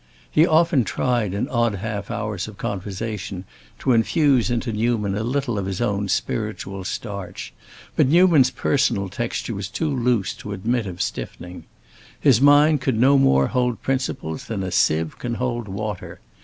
He often tried, in odd half hours of conversation to infuse into Newman a little of his own spiritual starch, but Newman's personal texture was too loose to admit of stiffening. His mind could no more hold principles than a sieve can hold water.